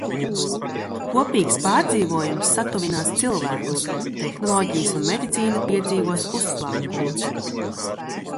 Kopīgs pārdzīvojums satuvinās cilvēkus, tehnoloģijas un medicīna piedzīvos uzplaukumu.